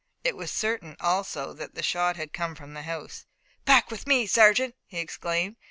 It was certain also that the shot had come from the house. "Back with me, sergeant!" he exclaimed.